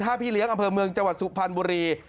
พี่เลี้ยงอำเภอเมืองจังหวัดสุพรรณบุรี